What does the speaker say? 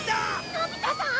のび太さん！